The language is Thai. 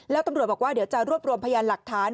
แล้วตำรวจบอกว่าเดี๋ยวจะรวบรวมพยานหลักฐาน